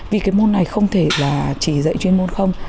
vì cái môn này không thể là chỉ dạy chuyên môn không